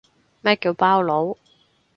咩叫包佬